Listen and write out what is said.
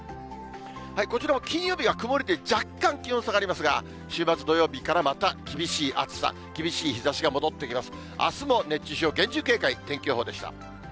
こちらも金曜日は曇りで、若干気温下がりますが、週末土曜日からまた厳しい暑さ、厳しい日ざしが戻ってきます。